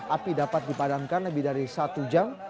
api dapat dipadamkan lebih dari satu jam